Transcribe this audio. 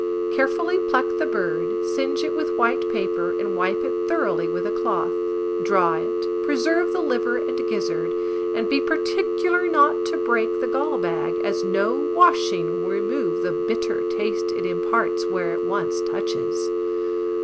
Carefully pluck the bird, singe it with white paper, and wipe it thoroughly with a cloth; draw it, preserve the liver and gizzard, and be particular not to break the gall bag, as no washing will remove the bitter taste it imparts where it once touches.